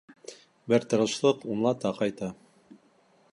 Бер тырышлыҡ унлата ҡайта.